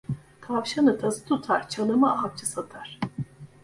Tavşanı tazı tutar, çalımı avcı satar.